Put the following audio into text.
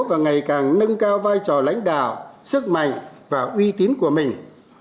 và ngày càng nâng cao vai trò lãnh đạo sức mạnh và uy tín của mình